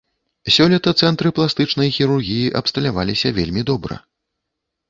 Сёлета цэнтры пластычнай хірургіі абсталяваліся вельмі добра.